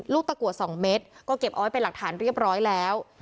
ตะกัว๒เม็ดก็เก็บเอาไว้เป็นหลักฐานเรียบร้อยแล้ว